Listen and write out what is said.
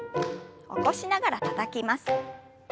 起こしながらたたきます。